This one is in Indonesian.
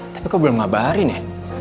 tapi kok belum ngabarin ya